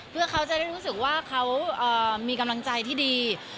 เพื่อเขาจะได้รู้สึกว่าเขามีกำลังใจที่ดี